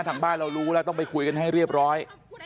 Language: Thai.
ทางบ้านเรารู้แล้วต้องไปคุยกันให้เรียบร้อย